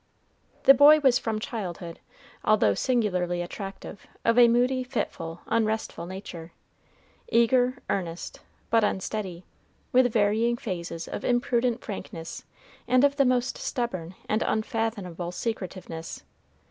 The boy was from childhood, although singularly attractive, of a moody, fitful, unrestful nature, eager, earnest, but unsteady, with varying phases of imprudent frankness and of the most stubborn and unfathomable secretiveness.